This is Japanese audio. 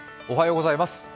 おはようございます。